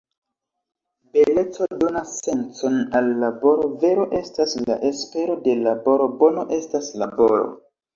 Beleco- donas sencon al laboro, vero- estas la espero de laboro, bono- estas laboro.